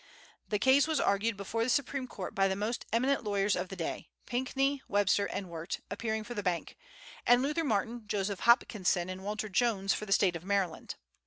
The case was 'argued before the Supreme Court by the most eminent lawyers of the day, Pinkney, Webster, and Wirt appearing for the bank, and Luther Martin, Joseph Hopkinson, and Walter Jones for the State of Maryland.